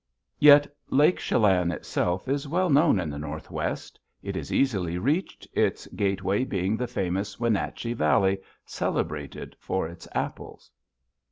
Yet Lake Chelan itself is well known in the Northwest. It is easily reached, its gateway being the famous Wenatchee Valley, celebrated for its apples.